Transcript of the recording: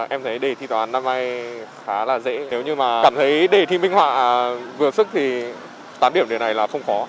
em thấy đề thi toán năm nay khá là dễ nếu như mà cảm thấy đề thi minh họa vừa sức thì tám điểm điều này là không khó